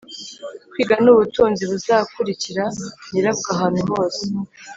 kwiga nubutunzi buzakurikira nyirabwo ahantu hose